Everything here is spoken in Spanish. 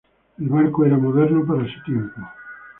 El barco era moderno para su tiempo.